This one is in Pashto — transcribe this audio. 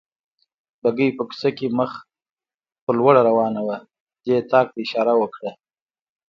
بګۍ په کوڅه کې مخ په لوړه روانه وه، دې طاق ته اشاره وکړل.